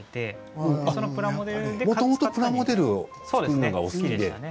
もともとプラモデルを作るのがお好きで？